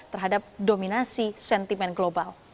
terhadap dominasi sentimen global